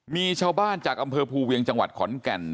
มีชาวบ้านจากอำเภอภูเวียงจังหวัดขอนแก่น